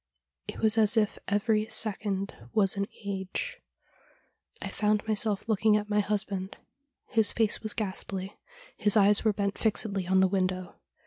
It was as if every second was an age. I found myself looking at my husband. His face was ghastly : his eyes were bent fixedly on the window.